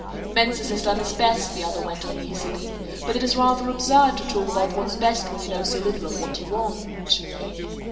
"Mansus has done his best," the other went on easily, "but it is rather absurd to talk about one's best when you know so little of what you want."